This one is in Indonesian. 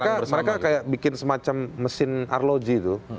jadi mereka kayak bikin semacam mesin arloji itu